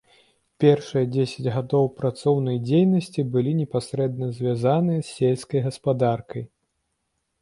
Першыя дзесяць гадоў працоўнай дзейнасці былі непасрэдна звязаныя з сельскай гаспадаркай.